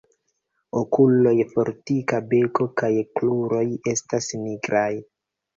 Okuloj, fortika beko kaj kruroj estas nigraj.